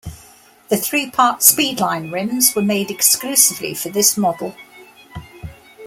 The three part Speedline rims were made exclusively for this model.